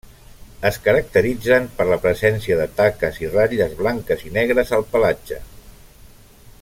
Es caracteritzen per la presència de taques i ratlles blanques i negres al pelatge.